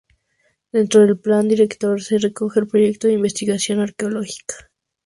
Dentro del plan director se recoge el proyecto de investigación arqueológica.